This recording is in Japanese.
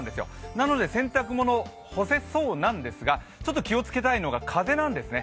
なので洗濯物干せそうなんですがちょっと気をつけたいのが風なんですね。